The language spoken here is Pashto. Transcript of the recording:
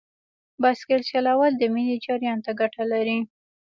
بایسکل چلول د وینې جریان ته ګټه لري.